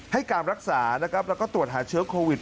ให้การรักษานะครับแล้วก็ตรวจหาเชื้อโควิด